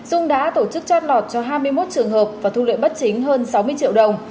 dung đã tổ chức trót lọt cho hai mươi một trường hợp và thu lợi bất chính hơn sáu mươi triệu đồng